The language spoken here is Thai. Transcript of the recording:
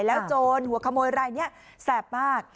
แล้วโจรหัวขโมยอะไรนี่แสบมาก